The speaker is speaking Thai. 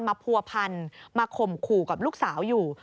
ผัวพันมาข่มขู่กับลูกสาวอยู่